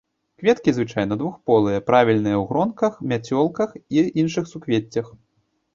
Кветкі звычайна двухполыя, правільныя ў гронках, мяцёлках і іншых суквеццях.